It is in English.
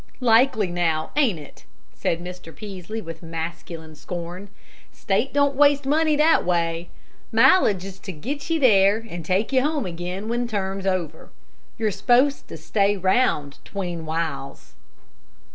"Likely now, ain't it?" said Mr. Peaslee, with masculine scorn. "State don't waste money that way! Mileage's to get ye there an' take ye home again when term's over. You're s'posed to stay round 'tween whiles."